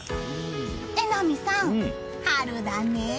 榎並さん、春だね。